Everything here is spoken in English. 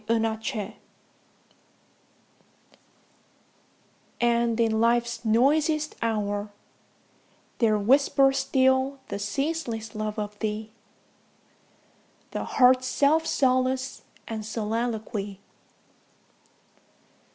25 And in Life's noisiest hour There whispers still the ceaseless love of thee, The heart's self solace } and soliloquy.